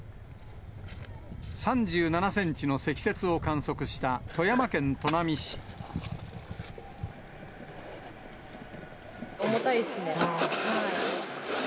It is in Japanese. ３７センチの積雪を観測した重たいですね。